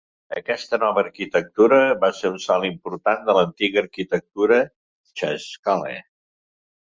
Aquesta nova arquitectura va ser un salt important de l'antiga arquitectura Xscale.